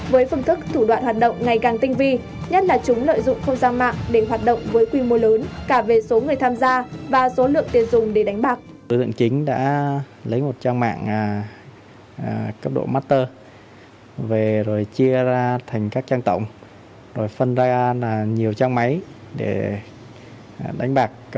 với phương thức thủ đoạn hoạt động ngày càng tinh vi nhất là chúng lợi dụng không gian mạng để hoạt động với quy mô lớn cả về số người tham gia và số lượng tiền dùng để đánh bạc